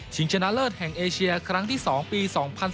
ชนะเลิศแห่งเอเชียครั้งที่๒ปี๒๐๑๘